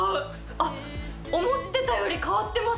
あっ思ってたより変わってます